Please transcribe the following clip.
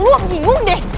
gue bingung deh